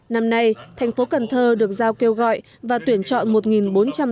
năm nay thành phố cần thơ được giao kêu gọi và tuyển chọn một bốn trăm tám mươi năm